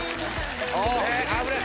危ない。